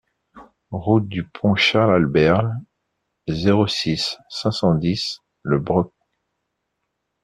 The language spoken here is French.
Route du Pont Charles Albert, zéro six, cinq cent dix Le Broc